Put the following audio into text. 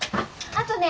あとね。